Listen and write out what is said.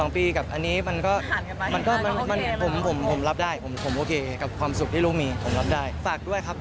๒ปีกับอันนี้มันก็ผมรับได้ผมโอเคกับความสุขที่ลูกมีผมรับได้ฝากด้วยครับ